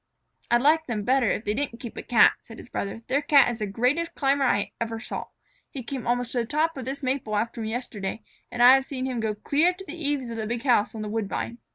"I'd like them better if they didn't keep a Cat," said his brother. "Their Cat is the greatest climber I ever saw. He came almost to the top of this maple after me yesterday, and I have seen him go clear to the eaves of the big house on the woodbine."